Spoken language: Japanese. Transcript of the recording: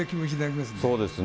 そうですね。